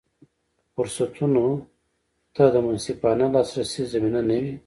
که فرصتونو ته د منصفانه لاسرسي زمینه نه وي.